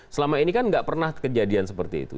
selama ini kan nggak pernah kejadian seperti itu